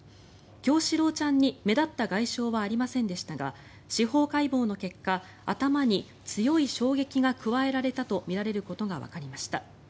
叶志郎ちゃんに目立った外傷はありませんでしたが司法解剖の結果頭に強い衝撃が加えられたとみられることがわかりました。